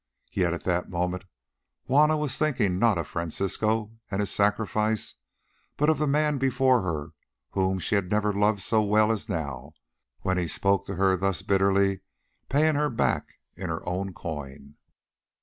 Yet at that moment Juanna was thinking not of Francisco and his sacrifice, but of the man before her whom she had never loved so well as now, when he spoke to her thus bitterly, paying her back in her own coin.